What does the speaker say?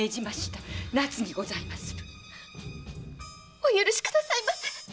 お許しくださいませ！